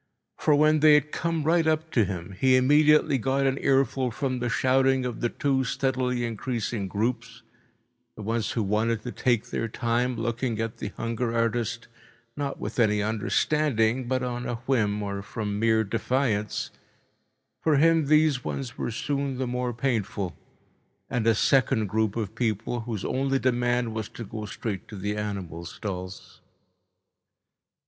For when they had come right up to him, he immediately got an earful from the shouting of the two steadily increasing groups, the ones who wanted to take their time looking at the hunger artist, not with any understanding but on a whim or from mere defiance—for him these ones were soon the more painful—and a second group of people whose only demand was to go straight to the animal stalls.